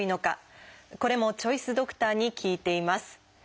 これもチョイスドクターに聞いています。